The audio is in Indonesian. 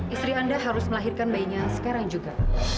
istri anda harus melahirkan bayinya sekarang juga